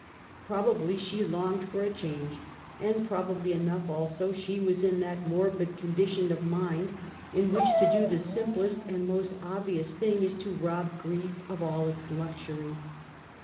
Prob ably she longed for a change; and probably enough, also, she was in that morbid condition of mind in which to do the simplest and most obvi ous thing is to rob grief of all its luxury.